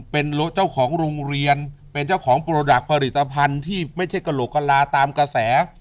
เป็นเจ้าของโรงเรียนเป็นเจ้าของโปรดักต์ผลิตภัณฑ์ที่ไม่ใช่กระโหลกกระลาตามกระแส